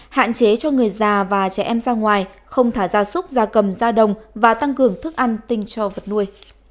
hạn chế cho người già và trẻ em ra ngoài không thả gia súc gia cầm ra đồng và tăng cường thức ăn tinh cho vật nuôi